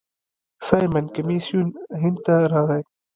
سایمن کمیسیون هند ته راغی.